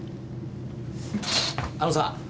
・あのさ！